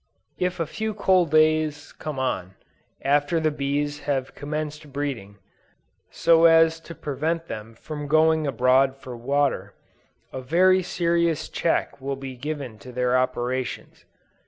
If a few cold days come on, after the bees have commenced breeding, so as to prevent them from going abroad for water, a very serious check will be given to their operations.